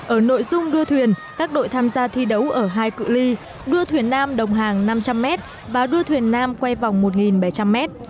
ở nội dung đua thuyền các đội tham gia thi đấu ở hai cự li đua thuyền nam đồng hàng năm trăm linh m và đua thuyền nam quay vòng một bảy trăm linh m